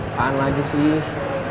tahan lagi sih